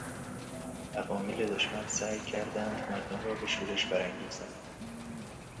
عوامل دشمن سعی کردند مردم را به شورش برانگیزند.